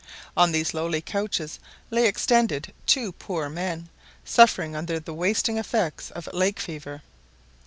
On these lowly couches lay extended two poor men, suffering under the wasting effects of lake fever.